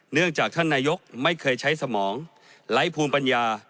เนื่องจากท่านนายกไม่เคยใช้สมองไร้ภูมิปัญญา